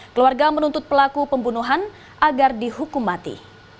keluarga menuntut pelaku pembunuhan agar dihukum mati